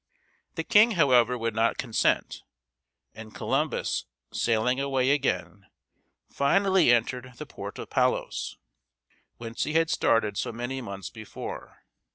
The king, however, would not consent, and Columbus, sailing away again, finally entered the port of Palos, whence he had started so many months before.